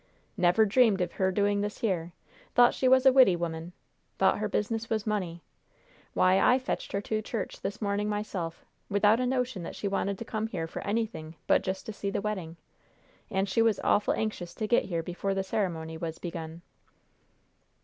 "Never dreamed of her doing this here. Thought she was a widdy woman. Thought her business was money. Why, I fetched her to church this morning myself, without a notion that she wanted to come here for anything but just to see the wedding. And she was awful anxious to get here before the ceremony was begun."